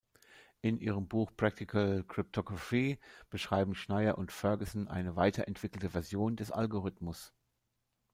In ihrem Buch "Practical Cryptography" beschreiben Schneier und Ferguson eine weiterentwickelte Version des Algorithmus.